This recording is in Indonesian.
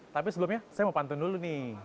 tapi sebelumnya saya mau pantun dulu nih